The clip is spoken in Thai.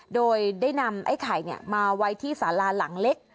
โดยได้นำไอ้ไข่มาไว้ที่สาราหลังเล็ก